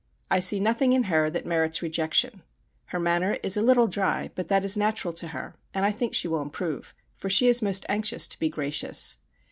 I see nothing in her that merits rejection. Her manner is a little dry, but that is natural to her, and I think she will improve, for she is most anxious to be gracious.